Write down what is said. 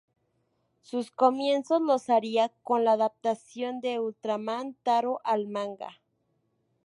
Sus comienzos los haría con la adaptación de Ultraman Taro al manga.